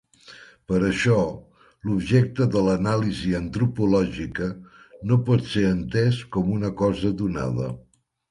Per això, l'objecte de l'anàlisi antropològica no pot ser entès com una cosa donada.